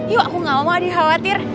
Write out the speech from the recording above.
yuk aku gak mau ada khawatir